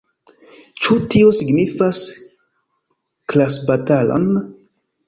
Ĉu tio signifas klasbatalon?